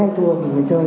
cái sàn thương mại điện tử